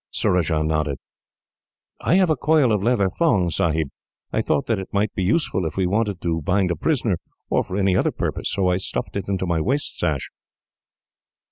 Surajah nodded. "I have a coil of leather thong, Sahib. I thought that it might be useful, if we wanted to bind a prisoner, or for any other purpose, so I stuffed it into my waist sash."